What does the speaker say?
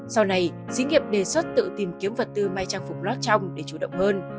sau này dĩ nghiệp đề xuất tự tìm kiếm vật tư may trang phục lót trong để chủ động hơn